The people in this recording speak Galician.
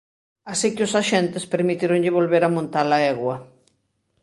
Así que os axentes permitíronlle volver a montar a egua.